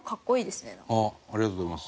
ありがとうございます。